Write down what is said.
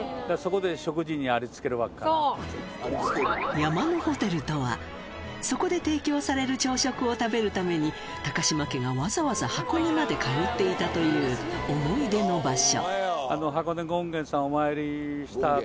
「山のホテル」とはそこで提供される朝食を食べるために高嶋家がわざわざ箱根まで通っていたという思い出の場所